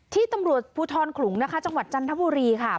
ที่ตำรวจภูทรขลุงนะคะจังหวัดจันทบุรีค่ะ